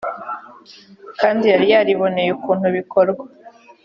kandi yari yariboneye ukuntu bikorwa